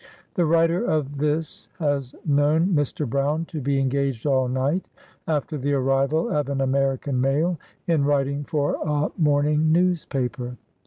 The writer of this has known Mr. Brown to be engaged all night, after the arrival of an American mail, in writing for a morning newspaper.